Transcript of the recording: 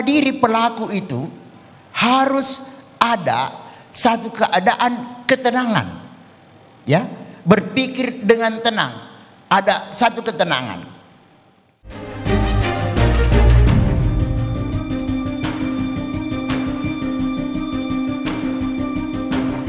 kripto tidak naham dan kripto